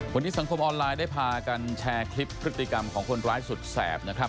วันนี้สังคมออนไลน์ได้พากันแชร์คลิปพฤติกรรมของคนร้ายสุดแสบนะครับ